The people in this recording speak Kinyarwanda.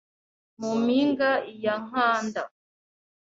Mu mpinga ya Nkanda